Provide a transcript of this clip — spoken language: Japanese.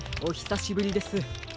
おひさしぶりです。